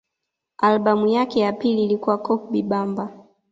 Albamu yake ya pili ilikuwa Coupe Bibamba